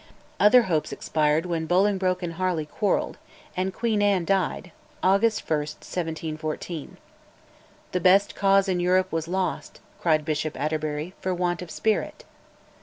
Other hopes expired when Bolingbroke and Harley quarrelled, and Queen Anne died (August 1, 1714). "The best cause in Europe was lost," cried Bishop Atterbury, "for want of spirit."